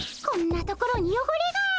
こんなところによごれが。